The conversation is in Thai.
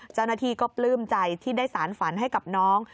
เจ้าหน้าที่ก็ปลื้มใจที่ได้สารฝันให้กับน้อง